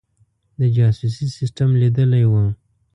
د جاسوسي سسټم لیدلی وو.